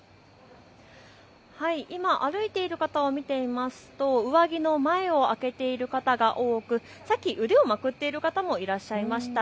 今、歩いている方を見ていますと上着の前を開けている方が多くさっき腕をまくっている方もいらっしゃいました。